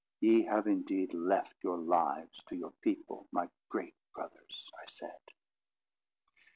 "Ye have indeed left your lives to your people, my great brothers!" I said.